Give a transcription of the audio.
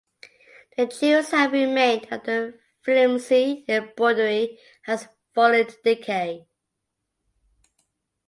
The jewels have remained after the flimsy embroidery has fallen into decay.